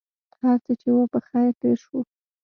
هرڅه چې و په خیر تېر شو.